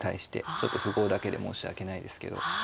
ちょっと符号だけで申し訳ないですけど。